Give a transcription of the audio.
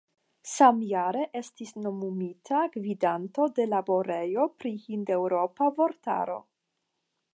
Samjare estis nomumita gvidanto de Laborejo pri Hindeŭropa Vortaro.